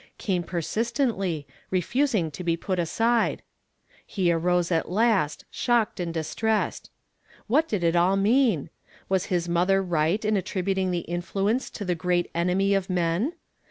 came persistently, refusing to be put aside, lie arose at last, shocked and distressed. AVhat did it all mean? Was his mother right in attributing the influence to tlu* great enemy of men?